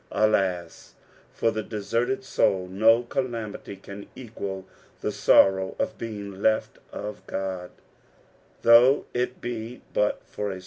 Alas ! for the deserted mdI ; no calamity can equal the sorrow of being left of Qod, though it be but for 11.